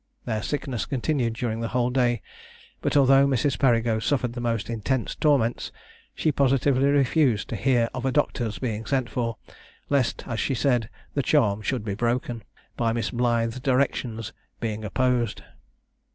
Their sickness continued during the whole day, but although Mrs. Perigo suffered the most intense torments, she positively refused to hear of a doctor's being sent for, lest, as she said, the charm should be broken, by Miss Blythe's directions being opposed.